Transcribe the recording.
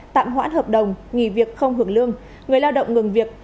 tạm hoãn hợp đồng nghỉ việc không hưởng lương người lao động ngừng việc